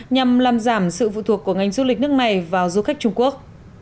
nhằm làm giảm sự phụ thuộc của ngành du lịch nước này vào du khách trung quốc